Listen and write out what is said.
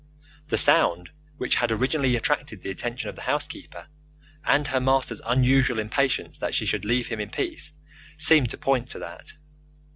The sound which had originally attracted the attention of the housekeeper, and her master's unusual impatience that she should leave him in peace, seemed to point to that.